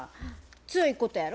強いことやろ？